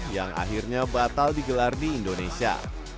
yang akhirnya batal digelar di indonesia